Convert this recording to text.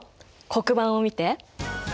黒板を見て。